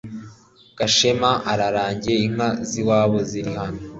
Gashema ararangiye inka ziwabo ziri hano .